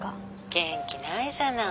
元気ないじゃない。